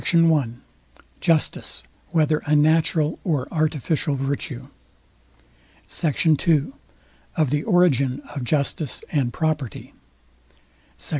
I JUSTICE, WHETHER A NATURAL OR ARTIFICIAL VIRTUE? SECT. II OF THE ORIGIN OF JUSTICE AND PROPERTY SECT.